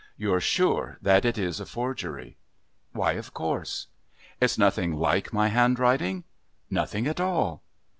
"You're sure that it is a forgery?" "Why, of course." "It's nothing like my handwriting?" "Nothing at all."